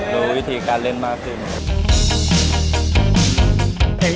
รู้วิธีการเล่นมากขึ้นครับ